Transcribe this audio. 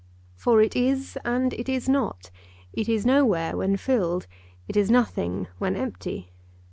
For it is and it is not, it is nowhere when filled, it is nothing when empty.